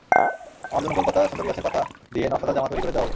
আমার জন্য গোলপাতা, সুন্দরীগাছের পাতা দিয়ে নকশাদার জামা তৈরি করে দেওয়া হলো।